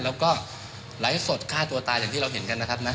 แล้วก็ไลฟ์สดฆ่าตัวตายอย่างที่เราเห็นกันนะครับ